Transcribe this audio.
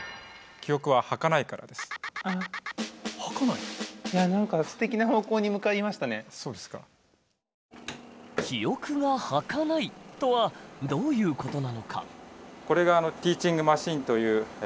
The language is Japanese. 記憶がはかないとはどういうことなのか。